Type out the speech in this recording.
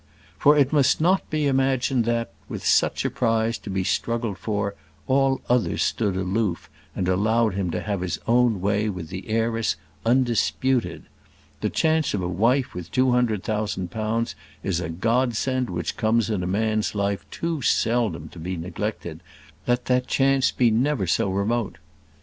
For it must not be imagined that, with such a prize to be struggled for, all others stood aloof and allowed him to have his own way with the heiress, undisputed. The chance of a wife with two hundred thousand pounds is a godsend which comes in a man's life too seldom to be neglected, let that chance be never so remote.